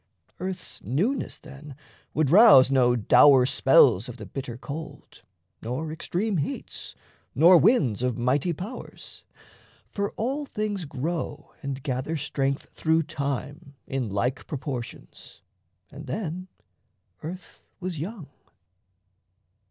Earth's newness then Would rouse no dour spells of the bitter cold, Nor extreme heats nor winds of mighty powers For all things grow and gather strength through time In like proportions; and then earth was young.